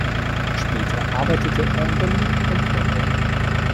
Später arbeitete er in Berlin und London.